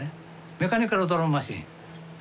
メカニカルドラムマシン。